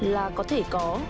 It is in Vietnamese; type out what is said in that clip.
là có thể có